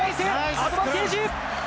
アドバンテージ！